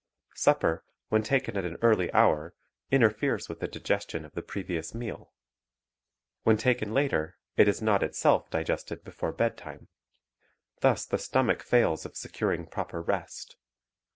Supper, when taken at an early hour, interferes with the digestion of the previous meal. When taken later, it is not itself digested before bedtime. Thus the stomach fails of securing proper rest.